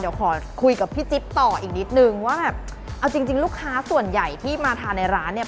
เดี๋ยวขอคุยกับพี่จิ๊บต่ออีกนิดนึงว่าแบบเอาจริงจริงลูกค้าส่วนใหญ่ที่มาทานในร้านเนี่ย